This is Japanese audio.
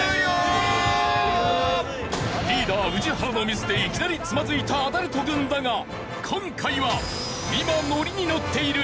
リーダー宇治原のミスでいきなりつまずいたアダルト軍だが今夜は今おめでとうございます！